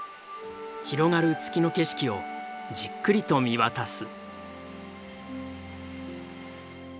広がる月の景色をじっくりと見渡す。